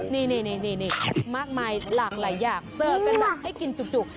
นี่หลากหลายอย่างเสิร์ฟกันมาให้กินจุก